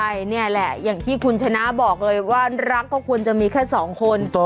ใช่นี่แหละอย่างที่คุณชนะบอกเลยว่ารักก็ควรจะมีแค่สองคน